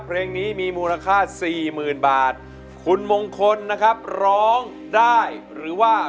เพลงนี้มีมูลค่าสี่หมื่นบาทคุณมงคลนะครับร้องได้หรือว่า